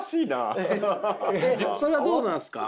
それはどうなんですか？